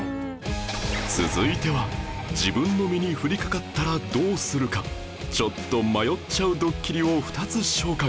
続いては自分の身に降りかかったらどうするかちょっと迷っちゃうドッキリを２つ紹介